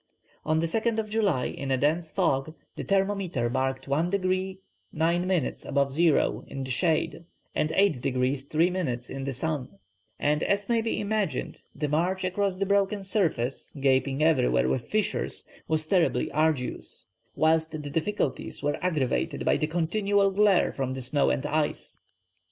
On the 2nd July, in a dense fog, the thermometer marked 1 degree 9' above zero in the shade, and 8 degrees 3' in the sun; and as may be imagined the march across the broken surface, gaping everywhere with fissures, was terribly arduous, whilst the difficulties were aggravated by the continual glare from the snow and ice.